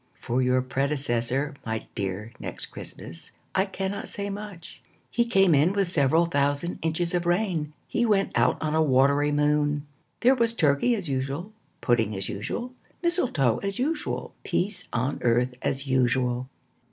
For your predecessor, My dear Next Christmas, I cannot say much. He came in with several thousand inches of rain; He went out on a watery moon. There was turkey as usual, Pudding as usual, Mistletoe as usual, Peace on earth as usual.